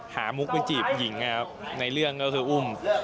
หามุกไปจีบหญิงในเรื่องก็คืออุ่ม